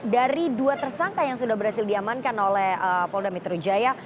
dari dua tersangka yang sudah berhasil diamankan oleh polda metro jaya